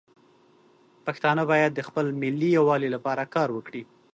پښتانه باید د خپل ملي یووالي لپاره کار وکړي.